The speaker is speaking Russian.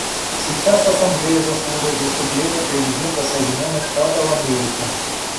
Сейчас Ассамблея заслушает выступление президента Соединенных Штатов Америки.